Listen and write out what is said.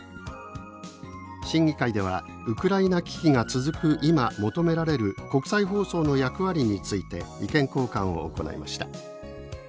審議会ではウクライナ危機が続く今求められる国際放送の役割について意見交換を行いました。